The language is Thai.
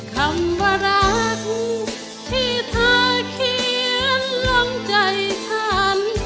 คำว่ารักที่เธอเขียนลงใจฉัน